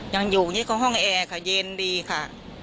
ยังอยู่นี่ก็ห้องแอร์ค่ะเย็นดีค่ะ